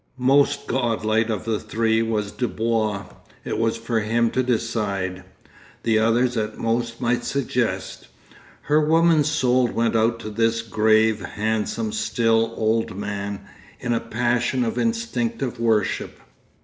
Most godlike of the three was Dubois. It was for him to decide; the others at most might suggest. Her woman's soul went out to this grave, handsome, still, old man, in a passion of instinctive worship.